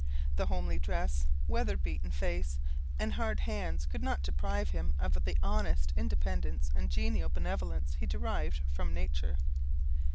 The homely dress, weather beaten face, and hard hands, could not deprive him of the honest independence and genial benevolence he derived from nature.